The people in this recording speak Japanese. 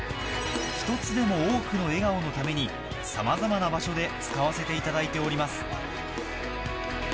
一つでも多くの笑顔のためにさまざまな場所で使わせていただいております